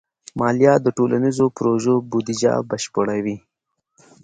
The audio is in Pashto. مالیه د ټولنیزو پروژو بودیجه بشپړوي.